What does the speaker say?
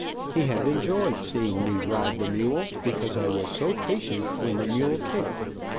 He had enjoyed seeing me ride the mule, because I was so patient when the mule kicked.